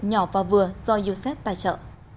nhỏ và vừa do used tài trợ